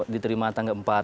diterima tanggal empat